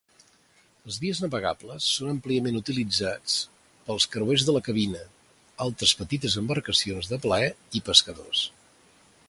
Les vies navegables són àmpliament utilitzats pels creuers de la cabina, altres petites embarcacions de plaer i pescadors.